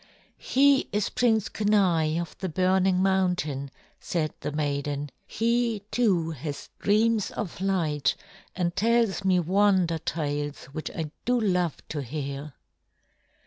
"He is Prince Kenai of the burning mountain," said the maiden. "He, too, has dreams of light and tells me wonder tales which I do love to hear."